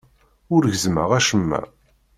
Ur gezzmeɣ acemma.